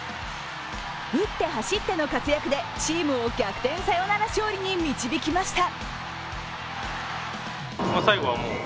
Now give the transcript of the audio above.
打って、走っての活躍でチームを逆転サヨナラ勝利に導きました。